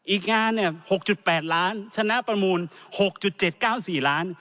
อีกงาน๖๘ล้านชนะประมูล๖๗๙๔ล้าน